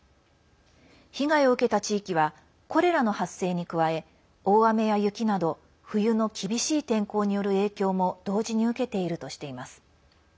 被害を受けた地域はコレラの発生に加え大雨や雪など冬の厳しい天候による影響も同時に受けているとしています。